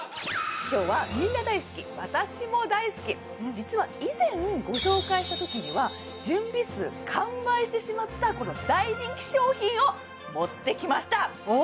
今日はみんな大好き私も大好き実は以前ご紹介したときには準備数完売してしまったこの大人気商品を持ってきました